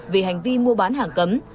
vì hành vi mua bán hàng cấm